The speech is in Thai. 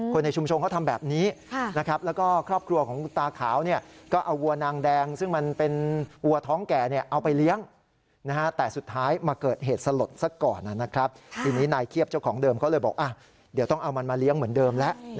คนในชุมชงเขาก็ทำแบบนี้